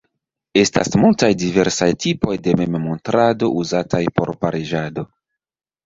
Estas multaj diversaj tipoj de memmontrado uzataj por pariĝado.